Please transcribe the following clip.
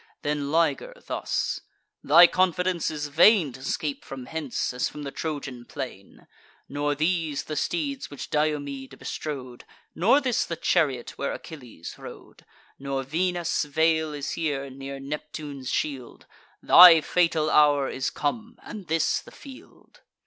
Then Liger thus: "Thy confidence is vain To scape from hence, as from the Trojan plain: Nor these the steeds which Diomede bestrode, Nor this the chariot where Achilles rode; Nor Venus' veil is here, near Neptune's shield; Thy fatal hour is come, and this the field."